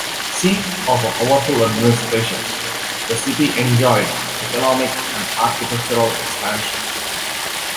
Seat of a powerful administration, the city enjoyed economic and architectural expansion.